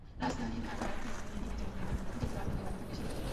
রাজধানী ঢাকায় দিনে যেমন তেমন, কিন্তু রাত হলেই বাড়তে থাকে শীতের প্রকোপ।